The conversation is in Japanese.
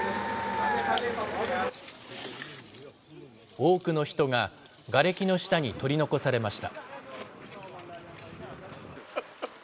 多くの人が、がれきの下に取り残されました。